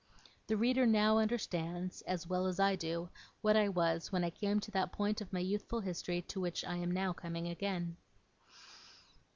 The reader now understands, as well as I do, what I was when I came to that point of my youthful history to which I am now coming again.